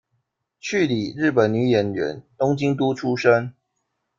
趣里，日本女演员，东京都出身。